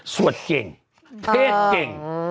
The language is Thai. สวดเก่งเทศเก่ง